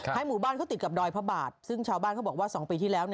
หมู่บ้านเขาติดกับดอยพระบาทซึ่งชาวบ้านเขาบอกว่า๒ปีที่แล้ว